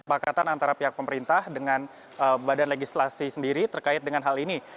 kesepakatan antara pihak pemerintah dengan badan legislasi sendiri terkait dengan hal ini